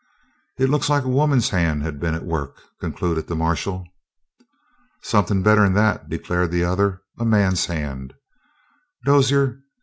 "It looks like a woman's hand had been at work," concluded the marshal. "Something better'n that," declared the other. "A man's hand, Dozier.